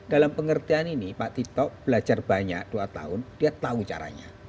dalam pengertian ini pak tito belajar banyak dua tahun dia tahu caranya